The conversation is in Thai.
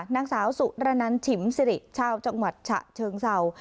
นางสาวสุรนันฉิมสิริชาวจังหวัดฉะเชิงเศร้า